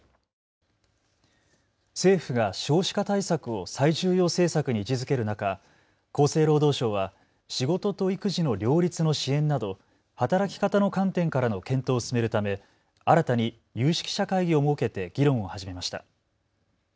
政府が少子化対策を最重要政策に位置づける中、厚生労働省は仕事と育児の両立の支援など働き方の観点からの検討を進めるため、新たに有識者会議を設けて議論を始めました。